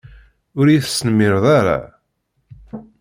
Ur iyi-tesnemmireḍ ara?